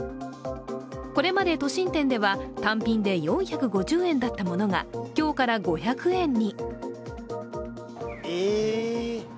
これまで都心店では単品で４５０円だったものが今日から５００円に。